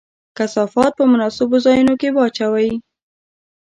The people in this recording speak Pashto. کثافات په مناسبو ځایونو کې واچوئ.